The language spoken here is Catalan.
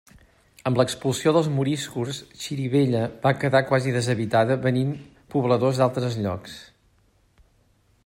Amb l'expulsió dels moriscos Xirivella va quedar quasi deshabitada venint pobladors d'altres llocs.